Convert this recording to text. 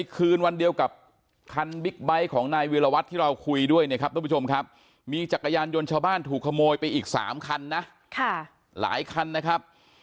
คันบิ๊กไบค์ของนายวีรวัตท์ที่เราคุยด้วยนะครับทุกผู้ชมครับมีจักรยานยนต์ชาวบ้านถูกขโมยไปอีกสามคันนะค่ะหลายคันนะครับ